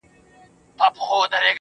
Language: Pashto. څوک ده چي راګوري دا و چاته مخامخ يمه.